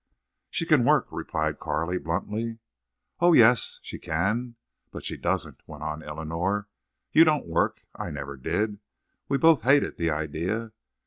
"She can work," replied Carley, bluntly. "Oh yes, she can, but she doesn't," went on Eleanor. "You don't work. I never did. We both hated the idea.